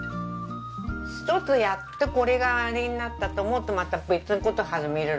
一つやっとこれがあれになったと思うとまた別の事始めるろ。